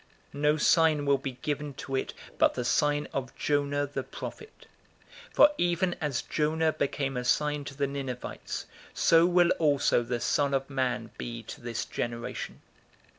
No sign will be given to it but the sign of Jonah, the prophet. 011:030 For even as Jonah became a sign to the Ninevites, so will also the Son of Man be to this generation.